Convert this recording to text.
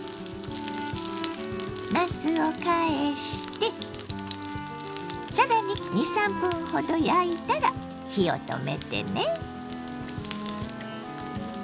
なすを返して更に２３分ほど焼いたら火を止めてね。